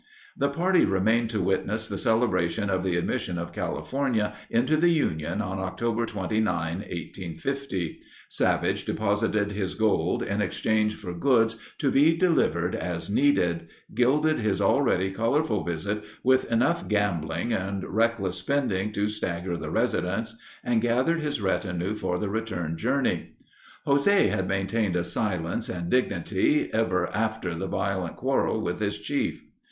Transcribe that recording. The party remained to witness the celebration of the admission of California into the Union on October 29, 1850. Savage deposited his gold in exchange for goods to be delivered as needed, gilded his already colorful visit with enough gambling and reckless spending to stagger the residents, and gathered his retinue for the return journey. José had maintained a silence and dignity ever after the violent quarrel with his chief.